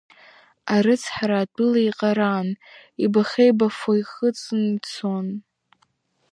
Арыцҳара атәыла иаҟаран, еибахеибафо ихыҵны ицон…